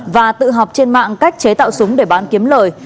và tự học trên mạng cách chế tạo súng để bán kiếm lời